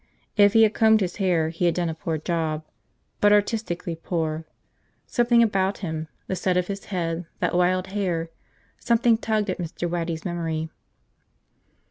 If he had combed his hair he had done a poor job. But artistically poor. Something about him – the set of his head, that wild hair – something tugged at Mr. Waddy's memory.